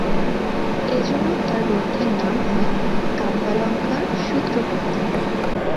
এজন্য তাঁর গ্রন্থের নাম হয় কাব্যালঙ্কারসূত্রবৃত্তি।